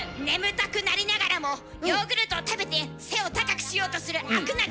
眠たくなりながらもヨーグルトを食べて背を高くしようとする飽く